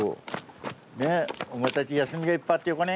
ねえお前たち休みがいっぱいあってよかね。